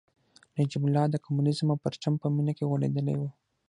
نجیب الله د کمونیزم او پرچم په مینه کې غولېدلی و